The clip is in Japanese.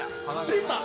出た！